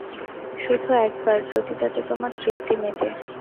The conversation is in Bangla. শুধু একবার, যদি তাতে তোমার তৃপ্তি মেটে।